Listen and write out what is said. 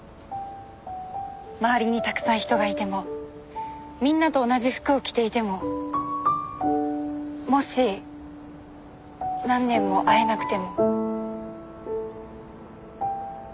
周りにたくさん人がいてもみんなと同じ服を着ていてももし何年も会えなくても。